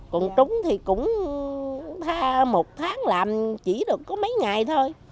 còn trúng thì cũng một tháng làm chỉ được có mấy ngày thôi